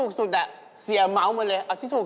ขมงเปรียกก็มาแล้ว